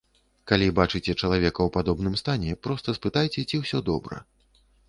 Калі бачыце чалавека ў падобным стане, проста спытайце, ці ўсё добра.